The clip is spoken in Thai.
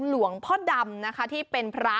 หลวงพ่อดำนะคะที่เป็นพระ